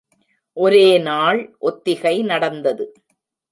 ஒரே நாள் ஒத்திகை நடந்தது.